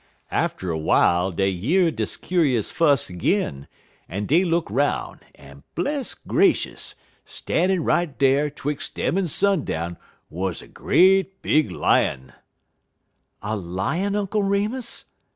"Atter w'ile dey year de kuse fuss 'g'in, en dey look 'roun', en bless gracious! stan'in' right dar, 'twix' dem en sundown, wuz a great big Lion!" "A Lion, Uncle Remus?"